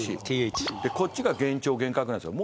こっちが幻聴、幻覚なんですよ。